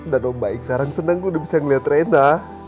dan om baik sekarang senang udah bisa ngeliat rena